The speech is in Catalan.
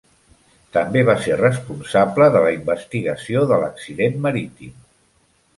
També va ser responsable de la investigació de l'accident marítim.